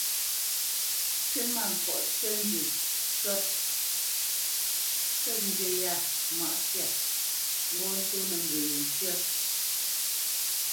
"Kywítmâŋkɔʼ ncyə̂ʼ nzə sə̂t njywí yâ mǎʼ syâ; ŋgɔ́ ntsônə́ mbə yé ncə́."